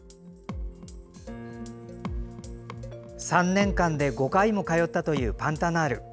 ３年間で５回も通ったというパンタナール。